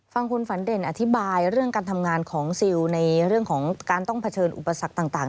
ฟังคุณฝันเด่นอธิบายเรื่องการทำงานของซิลในเรื่องของการต้องเผชิญอุปสรรคต่าง